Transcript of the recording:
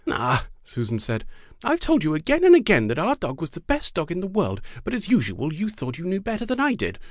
"Ah!" Susan said, "I have told you again and again that our old dog was the best dog in the world, but as usual you thought you knew better than I did